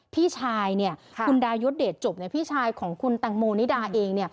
พี่ชายคุณดายศเดชจบพี่ชายของคุณตังโมนิดาเอง